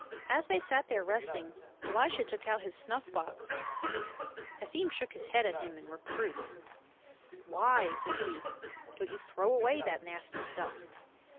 As they sat there resting, Elisha took out his snuff box. Efim shook his head at him in reproof. "Why,'' says he, "don't you throw away that nasty stuff?"